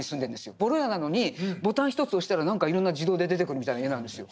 ボロ家なのにボタン一つ押したら何かいろんな自動で出てくるみたいな家なんですよ。